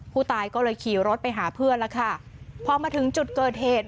ผู้ตายก็เลยขี่รถไปหาเพื่อนแล้วค่ะพอมาถึงจุดเกิดเหตุ